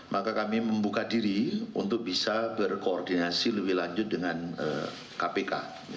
maka kami membuka diri untuk bisa berkoordinasi lebih lanjut dengan kpk